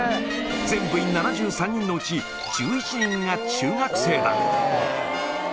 全部員７３人のうち、１１人が中学生だ。